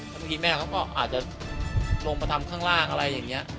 บางทีแม่ก็อาจจะหนุ่มมาทำข้างล่างอะไรอย่างเนี้ย